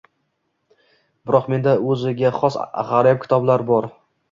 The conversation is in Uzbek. Biroq menda o’ziga hos g’aroyib kitoblar bor.